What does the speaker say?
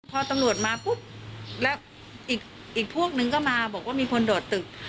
พอตำรวจมาปุ๊บแล้วอีกพวกนึงก็มาบอกว่ามีคนโดดตึก